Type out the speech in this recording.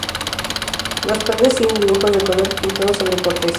Las paredes tienen dibujos de colores pintados sobre cortezas.